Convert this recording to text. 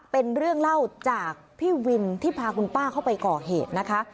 เป็นเรื่องเล่าจากพี่วินที่พาคุณป้าเข้าไปก่อเหตุนะคะ